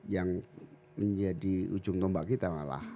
yang menjadi ujung tombak kita malah